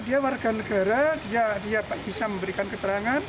dia warga negara dia bisa memberikan keterangan